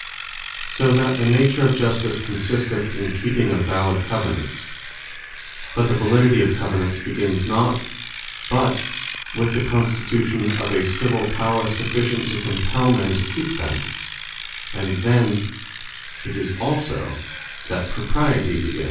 So that the nature of Justice, consisteth in keeping of valid Covenants: but the Validity of Covenants begins not but with the Constitution of a Civill Power, sufficient to compell men to keep them: And then it is also that Propriety begins.